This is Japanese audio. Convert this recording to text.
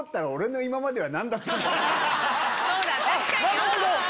なるほど！